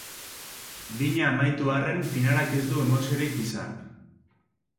Bina amaitu arren finalak ez du emoziorik izan.